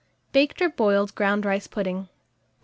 BAKED OR BOILED GROUND RICE PUDDING. 1353.